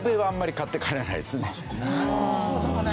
なるほどね！